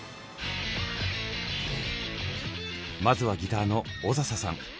まずはギターの小笹さん。